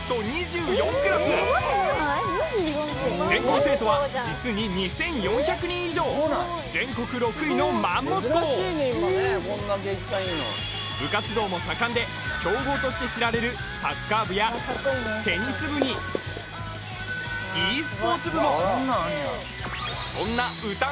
全校生徒は実に２４００人以上全国６位のマンモス校部活動も盛んで強豪として知られるサッカー部やテニス部にｅスポーツ部もそんな何？